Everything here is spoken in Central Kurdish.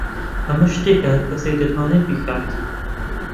ئەمە شتێکە هەر کەسێک دەتوانێت بیکات.